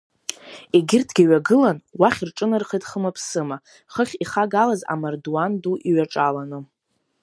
Егьырҭгьы ҩагылан, уахь рҿынархеит хымаԥсыма, хыхь ихагалаз амардуан ду иҩаҿаланы.